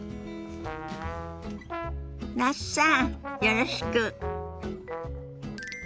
那須さんよろしく。